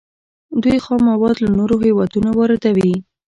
دوی خام مواد له نورو هیوادونو واردوي.